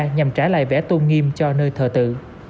nhằm trả lại vẻ tôn nghiêm cho nơi thờ tự